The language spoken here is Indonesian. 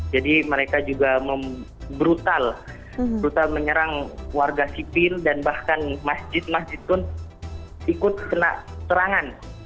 mereka juga brutal menyerang warga sipil dan bahkan masjid masjid pun ikut kena serangan